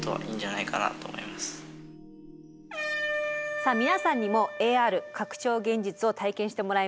さあ皆さんにもＡＲ拡張現実を体験してもらいます。